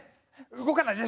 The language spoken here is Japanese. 動かないで！